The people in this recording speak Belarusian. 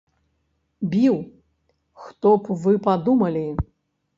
Біў, хто б вы падумалі?